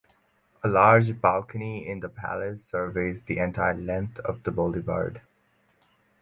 A large balcony in the Palace surveys the entire length of the boulevard.